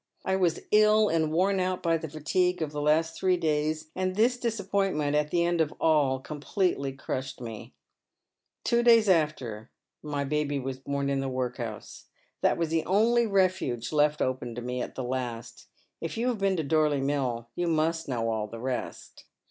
I was ill and worn out by the fatigue of the last three days, and this disappointment at the end of all completely crushed me. • Two days afterwards my baby was bom in the workhouse. That was the only refuge left open to me at the last. If you have been to Dorley Mill you must know all the rest.